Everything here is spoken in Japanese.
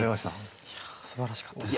いやすばらしかったです。